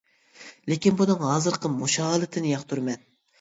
لېكىن بۇنىڭ ھازىرقى مۇشۇ ھالىتىنى ياقتۇرىمەن.